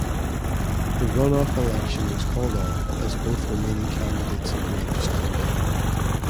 The run-off election was called off as both remaining candidates agreed to stand down.